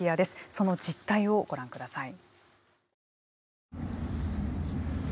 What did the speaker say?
その実態をご覧ください。